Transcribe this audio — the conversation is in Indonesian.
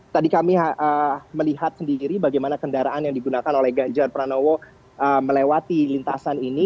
tadi kami melihat sendiri bagaimana kendaraan yang digunakan oleh ganjar pranowo melewati lintasan ini